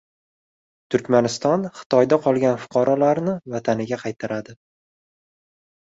Turkmaniston Xitoyda qolgan fuqarolarini vataniga qaytaradi